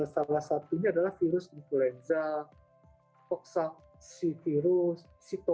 salah satunya adalah virus influenza toksansivirus sitomebal virus